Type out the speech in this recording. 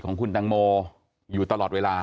ของคุณตังโมอยู่ตลอดเวลา